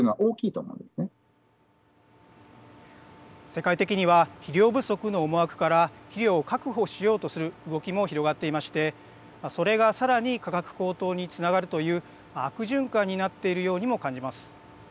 世界的には肥料不足の思惑から肥料を確保しようとする動きも広がっていましてそれがさらに価格高騰につながるという悪循環になっているようにも感じます。